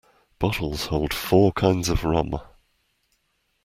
Bottles hold four kinds of rum.